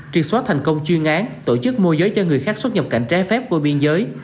triệt xóa thành công chuyên án tổ chức môi giới cho người khác xuất nhập cảnh trái phép qua biên giới